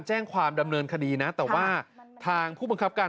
แจ้งความดำเนินคดีนะแต่ว่าทางผู้บังคับการ